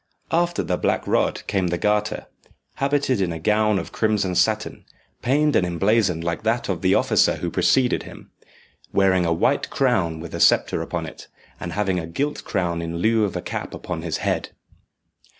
After the Black Rod came the Garter, habited in a gown of crimson satin, paned and emblazoned like that of the officer who preceded him, hearing a white crown with a sceptre upon it, and having a gilt crown in lieu of a cap upon his head.